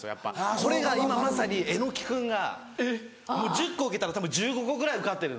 これが今まさに榎木君がもう１０個受けたらたぶん１５個ぐらい受かってる。